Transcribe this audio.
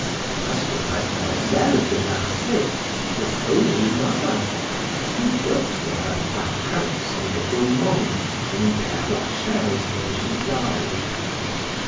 As for Mademoiselle de Marsay, his only mother, he built for her a handsome little monument in Pere Lachaise when she died.